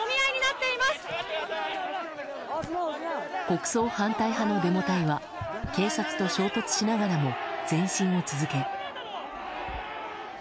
国葬反対派のデモ隊は警察と衝突しながらも前進を続け。